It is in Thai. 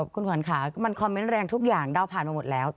คุณขวัญค่ะมันคอมเมนต์แรงทุกอย่างเดาผ่านมาหมดแล้ว